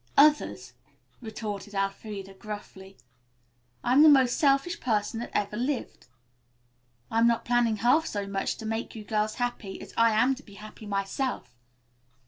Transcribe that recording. "Others," retorted Elfreda, gruffly. "I'm the most selfish person that ever lived. I'm not planning half so much to make you girls happy as I am to be happy myself.